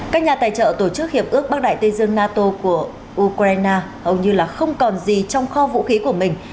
các nhà tài trợ tổ chức hiệp ước bắc đại tây dương nato của ukraine hầu như là không còn gì trong kho vũ khí của mình